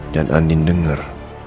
dan andin denger